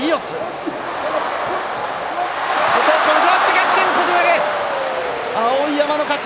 逆転、小手投げ、碧山の勝ち。